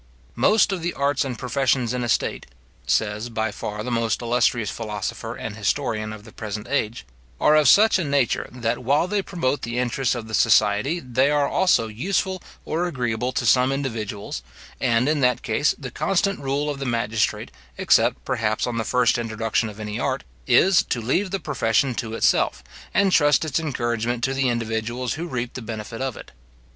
"Most of the arts and professions in a state," says by far the most illustrious philosopher and historian of the present age, "are of such a nature, that, while they promote the interests of the society, they are also useful or agreeable to some individuals; and, in that case, the constant rule of the magistrate, except, perhaps, on the first introduction of any art, is, to leave the profession to itself, and trust its encouragement to the individuals who reap the benefit of it.